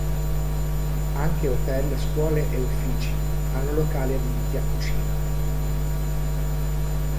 Anche hotel, scuole e uffici hanno locali adibiti a cucina.